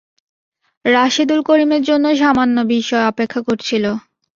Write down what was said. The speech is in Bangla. রাশেদুল করিমের জন্যে সামান্য বিস্ময় অপেক্ষা করছিল।